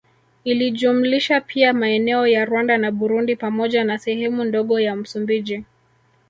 Ilijumlisha pia maeneo ya Rwanda na Burundi pamoja na sehemu ndogo ya Msumbiji